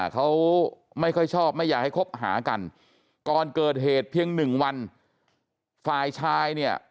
เขาไม่ค่อยชอบไม่อยากให้คบหากันก่อนเกิดเหตุเพียงหนึ่งวันฝ่ายชายเนี่ย